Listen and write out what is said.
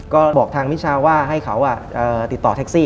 ก็บอกทางมิชาว่าให้เขาติดต่อแท็กซี่